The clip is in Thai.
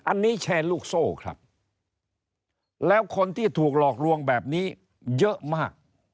อันนี้แชร์ลูกโซ่ครับแล้วคนที่ถูกหลอกลวงแบบนี้เยอะมาก